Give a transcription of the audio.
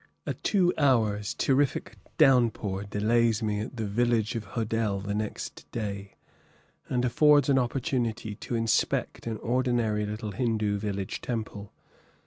A two hours' terrific downpour delays me at the village of Hodell next day, and affords an opportunity to inspect an ordinary little Hindoo village temple.